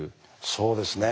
そうですね。